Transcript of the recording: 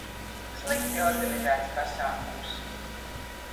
Slikti organizēts pasākums